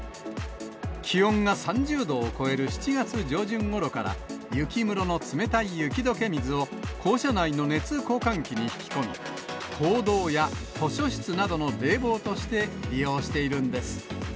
気温が３０度を超える７月上旬ごろから、雪室の冷たい雪どけ水を、校舎内の熱交換器に引き込み、講堂や図書室などの冷房として利用しているんです。